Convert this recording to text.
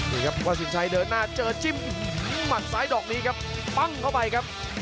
นี่ครับว่าสินชัยเดินหน้าเจอจิ้มหมัดซ้ายดอกนี้ครับปั้งเข้าไปครับ